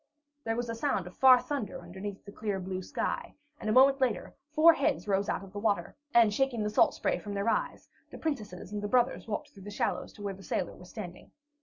There was a sound of far thunder under the clear blue sky, and a moment later, four heads rose out of the waters, and shaking the salt spray from their eyes, the princesses and the brothers walked through the shallows to where the sailor was standing.